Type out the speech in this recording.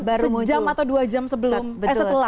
sejam atau dua jam sebelum eh setelah